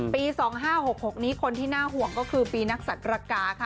ปี๒๕๖๖นี้คนที่น่าห่วงก็คือปีนักศัตริกาค่ะ